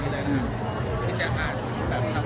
นะครับเป็นคนที่ไม่เคยอ่านข่าว